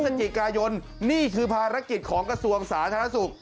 พฤศจิกายนนี่คือภารกิจของกระทรวงสาธารณสุข